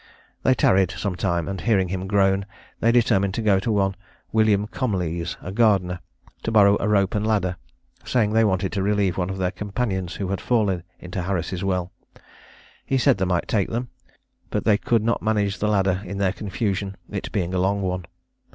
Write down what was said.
They tarried some time, and hearing him groan, they determined to go to one William Comleah's, a gardener, to borrow a rope and ladder, saying they wanted to relieve one of their companions who had fallen into Harris' well. He said they might take them; but they could not manage the ladder in their confusion, it being a long one.